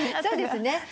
そうですね。